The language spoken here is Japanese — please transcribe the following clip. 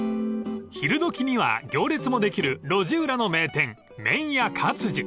［昼どきには行列もできる路地裏の名店麺や勝治］